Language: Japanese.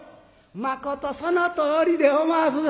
「まことそのとおりでおます」。